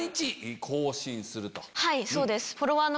はいそうです。